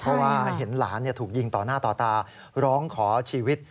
เพราะว่าเห็นหลานถูกยิงต่อหน้าต่อตาร้องขอชีวิต